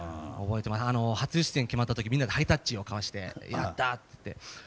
初出演決まった時みんなでハイタッチを交わして「やったー！」っつって。